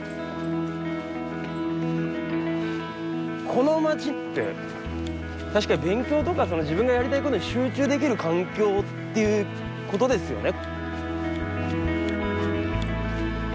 この街って確かに勉強とか自分のやりたいことに集中できる環境っていうことですよね。